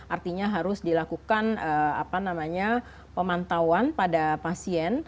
artinya harus dilakukan apa namanya pemantauan pada pasien